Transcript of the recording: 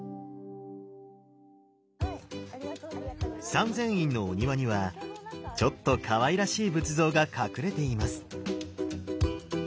三千院のお庭にはちょっとかわいらしい仏像が隠れています。